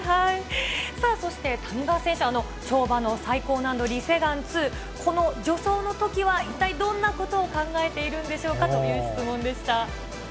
さあ、そして谷川選手、跳馬の最高難度、リ・セグァン２、この助走のときは、一体どんなことを考えているんでしょうかという質問でした。